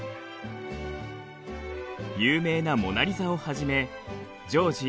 有名な「モナリザ」をはじめ常時